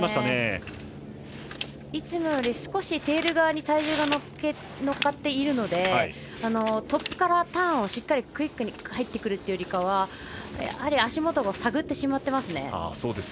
いつもより少しテール側に体重が乗っかっているのでトップからターンをしっかりクイックに入ってくるっていうよりかは足元を探ってしまっています。